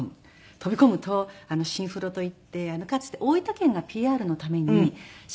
飛び込むとシンフロといってかつて大分県がＰＲのためにシンクロと温泉を掛け合わせた。